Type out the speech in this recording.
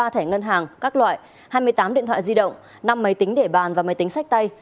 ba thẻ ngân hàng các loại hai mươi tám điện thoại di động năm máy tính để bàn và máy tính sách tay